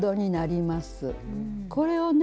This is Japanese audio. これをね